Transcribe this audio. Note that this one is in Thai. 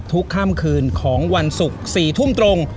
ค่ำคืนของวันศุกร์๔ทุ่มตรง